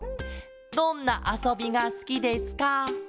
「どんなあそびがすきですか？」。